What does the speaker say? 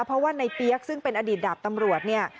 เพราะว่าในเปี๊ยกซึ่งเป็นอดีตดาบตำรวจเนี่ย